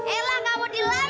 emang enak lu ya ditolak yee